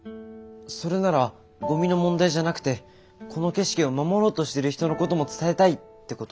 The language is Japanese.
それならゴミの問題じゃなくてこの景色を守ろうとしてる人のことも伝えたい！ってこと？